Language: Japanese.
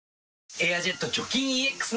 「エアジェット除菌ＥＸ」